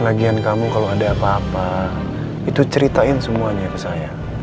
lagian kamu kalau ada apa apa itu ceritain semuanya ke saya